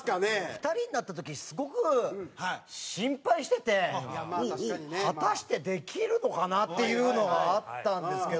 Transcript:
２人になった時すごく果たしてできるのかな？っていうのがあったんですけど。